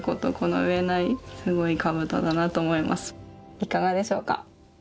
いかがでしょうか？